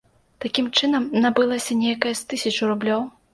Такім чынам набылася нейкая з тысяча рублёў.